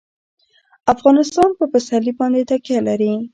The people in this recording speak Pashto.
افغانستان په پسرلی باندې تکیه لري.